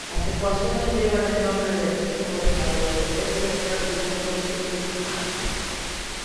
Las ecuaciones llevan el nombre del físico estadounidense Percy Williams Bridgman.